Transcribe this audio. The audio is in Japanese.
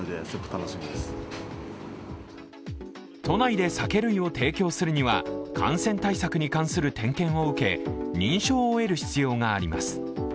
都内で酒類を提供するには感染対策に関する点検を受け認証を得る必要があります。